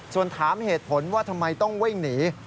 ส่วนถามเหตุผลว่าทำไมต้องวิ่งหนี